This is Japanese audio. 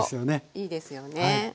いいですよね。